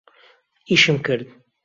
ئیشم کرد.